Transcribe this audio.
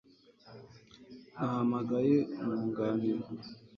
Nahamagaye umwunganira